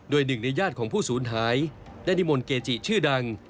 โดยหนึ่งในญาติของผู้สูญหายได้นิมนต์เกจิชื่อดัง